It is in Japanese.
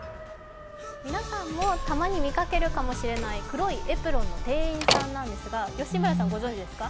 皆さんもたまに見かけるかもしれない黒いエプロンの従業員さんなですが吉村さんご存じですか？